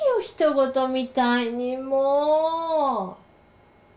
ひと事みたいにもう。